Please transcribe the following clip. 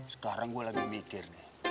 sekarang gue lagi mikir nih